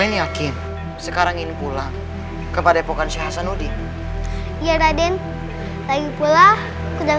hai kalian yakin sekarang ini pulang kepada pokokan syahsanudin iya raden lagi pula